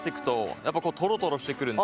やっぱこうトロトロしてくるんで。